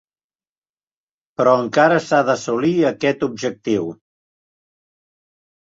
Però encara s'ha d'assolir aquest objectiu.